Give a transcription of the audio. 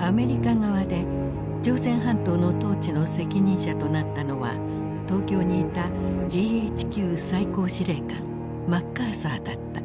アメリカ側で朝鮮半島の統治の責任者となったのは東京にいたＧＨＱ最高司令官マッカーサーだった。